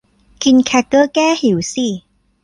กินแคร็กเกอร์แก้หิวสิ